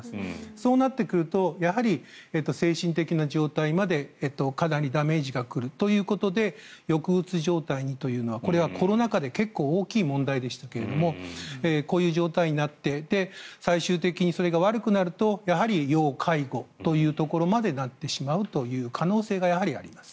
そうなってくると精神的な状態までかなりダメージが来るということで抑うつ状態にというのはこれはコロナ禍で結構大きい問題でしたがこういう状態になって最終的にそれが悪くなるとやはり要介護というところまでなってしまうという可能性がやはりあります。